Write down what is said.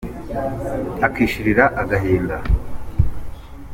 Akishirira agahinda.